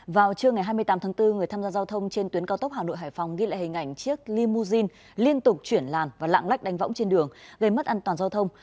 vào trưa ngày hai mươi tám tháng bốn người tham gia giao thông trên tuyến cao tốc hà nội hải phòng ghi lại hình ảnh chiếc limousine liên tục chuyển làn và lạng lách đánh võng trên đường gây mất an toàn giao thông